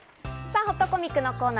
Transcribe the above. ほっとコミックのコーナー。